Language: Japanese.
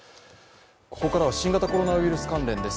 ここからは新型コロナウイルス関連です。